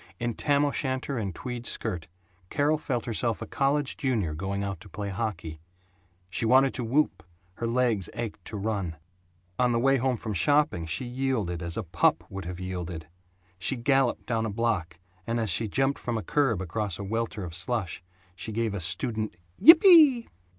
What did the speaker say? In tam o'shanter and tweed skirt Carol felt herself a college junior going out to play hockey. She wanted to whoop, her legs ached to run. On the way home from shopping she yielded, as a pup would have yielded. She galloped down a block and as she jumped from a curb across a welter of slush, she gave a student "Yippee!"